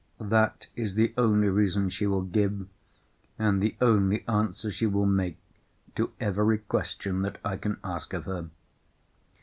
That is the only reason she will give, and the only answer she will make to every question that I can ask of her."